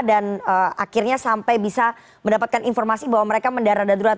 dan akhirnya sampai bisa mendapatkan informasi bahwa mereka mendarat darurat